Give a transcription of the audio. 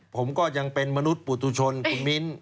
ผมก็ยังเป็นมนุษย์ปุตุชนคุณมิ้น